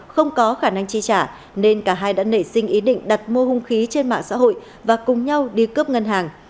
không có khả năng chi trả nên cả hai đã nảy sinh ý định đặt mua hung khí trên mạng xã hội và cùng nhau đi cướp ngân hàng